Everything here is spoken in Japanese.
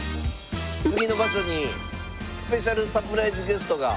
次の場所にスペシャルサプライズゲストが。